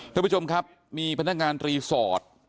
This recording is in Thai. ท่านผู้ชมครับมีพนักงานรีสอร์ท